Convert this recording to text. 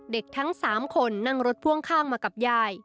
ทั้ง๓คนนั่งรถพ่วงข้างมากับยาย